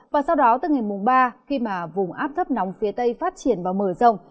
và sau đó từ ngày mùng ba khi mà vùng áp thấp nóng phía tây phát triển và mở rộng